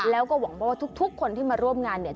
แล้วก็หวังว่าทุกคนที่มาร่วมงานเนี่ย